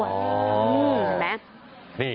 นี่เห็นไหม